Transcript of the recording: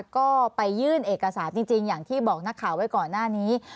ก็ไปยื่นเอกสารจริงอย่างที่บอกนักข่าวไว้ก่อนหน้านี้